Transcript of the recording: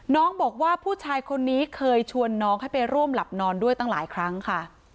น้องบอกว่าผู้ชายคนนี้เคยชวนน้องให้ไปร่วมหลับนอนด้วยตั้งหลายครั้งค่ะ